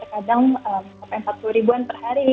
kadang sampai empat puluh ribuan per hari